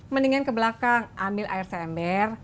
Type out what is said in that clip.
mendingan ke belakang ambil air sember